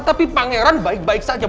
tapi pangeran baik baik saja